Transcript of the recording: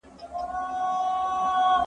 زه به سبا کتاب وليکم!